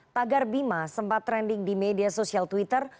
tagar bima sempat trending di media sosial twitter